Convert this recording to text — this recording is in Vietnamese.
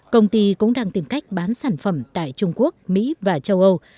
công ty cũng đang tìm cách bán sản phẩm tại trung quốc mỹ và châu âu